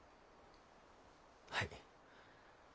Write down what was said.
はい。